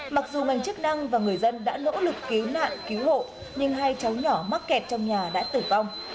mặc dù ngành chức năng và người dân đã nỗ lực cứu nạn cứu hộ nhưng hai cháu nhỏ mắc kẹt trong nhà đã tử vong